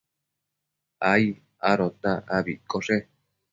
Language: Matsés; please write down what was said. ai adota abi iccoshe